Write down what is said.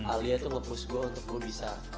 alia itu nge push gue untuk gue bisa